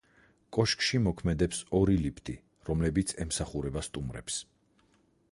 კოშკში მოქმედებს ორი ლიფტი, რომლებიც ემსახურება სტუმრებს.